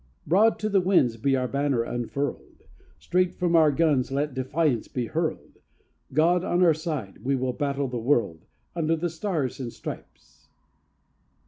Broad to the winds be our banner unfurled! Straight from our guns let defiance be hurled! God on our side, we will battle the world, Under the Stars and Stripes!